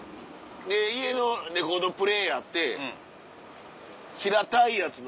で家のレコードプレーヤーって平たいやつの。